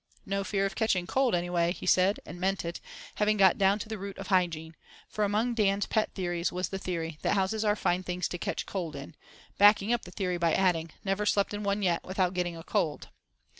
"No fear of catching cold, anyway," he said, and meant it, having got down to the root of hygiene; for among Dan's pet theories was the theory that "houses are fine things to catch cold in," backing up the theory by adding: "Never slept in one yet without getting a cold."